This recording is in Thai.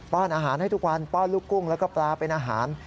้อนอาหารให้ทุกวันป้อนลูกกุ้งแล้วก็ปลาเป็นอาหาร